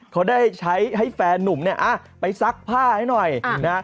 เขาได้ใช้ให้แฟนนุ่มเนี่ยไปซักผ้าให้หน่อยนะฮะ